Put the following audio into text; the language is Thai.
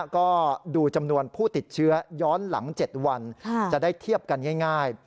ก็ดูจำนวนผู้ติดเชื้อย้อนหลัง๗วันจะได้เทียบกันง่าย